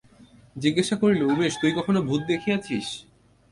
জিজ্ঞাসা করিল, উমেশ, তুই কখনো ভূত দেখিয়াছিস?